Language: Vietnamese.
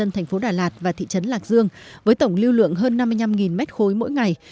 cung cấp cho người dân thành phố đà lạt và thị trấn lạc dương với tổng lưu lượng hơn năm mươi năm m ba mỗi ngày